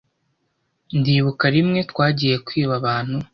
ndibuka rimwe twagiye kwiba abantu